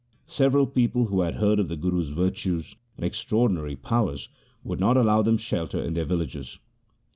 Several people who had heard of the Guru's virtues and extraordinary powers, would not allow them shelter in their villages.